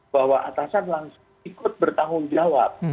bahwa atasan langsung ikut bertanggung jawab